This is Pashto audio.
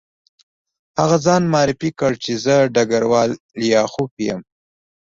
هغه ځان معرفي کړ چې زه ډګروال لیاخوف یم